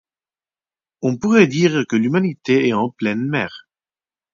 On pourrait dire que l'humanité est en pleine mer.